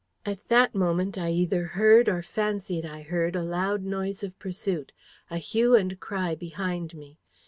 "At that moment, I either heard or fancied I heard a loud noise of pursuit, a hue and cry behind me.